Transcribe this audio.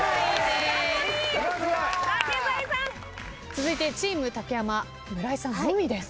続いてチーム竹山村井さんのみです。